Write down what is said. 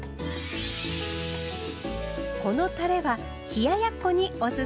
このたれは冷ややっこにおすすめ。